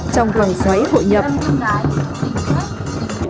trong vòng xoáy hội nhập